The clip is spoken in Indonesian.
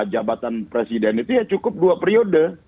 jabatan presiden itu ya cukup dua periode